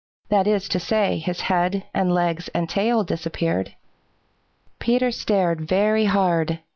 That is to say, his head and legs and tail disappeared. Peter stared very hard.